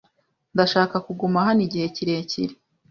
Ndashaka kuguma hano igihe kirekire.